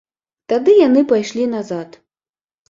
Тады яны пайшлі назад.